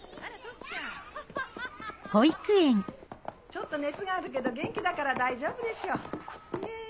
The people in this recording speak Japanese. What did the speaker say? ちょっと熱があるけど元気だから大丈夫でしょねぇ？